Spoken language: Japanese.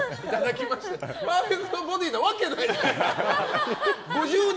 パーフェクトボディーなわけないよ。